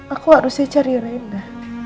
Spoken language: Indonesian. aku harusnya cari renda